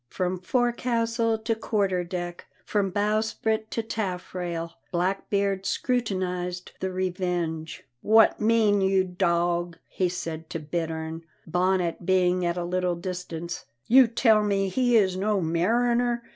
From forecastle to quarter deck, from bowsprit to taffrail, Blackbeard scrutinized the Revenge. "What mean you, dog?" he said to Bittern, Bonnet being at a little distance; "you tell me he is no mariner.